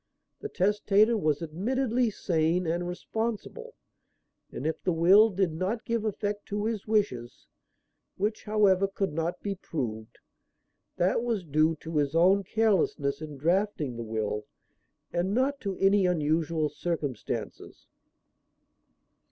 The testator was admittedly sane and responsible; and if the will did not give effect to his wishes which, however, could not be proved that was due to his own carelessness in drafting the will and not to any unusual circumstances.